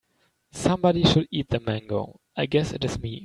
Somebody should eat the mango, I guess it is me.